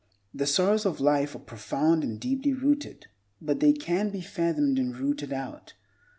The sorrows of life are profound and deeply rooted, but they can be fathomed and rooted out.